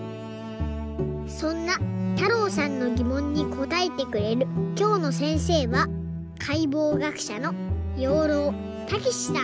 そんなたろうさんのぎもんにこたえてくれるきょうのせんせいはかいぼう学者の養老孟司さん。